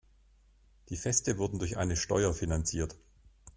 Die Feste wurden durch eine Steuer finanziert.